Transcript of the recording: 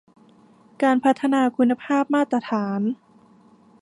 การพัฒนาคุณภาพมาตรฐาน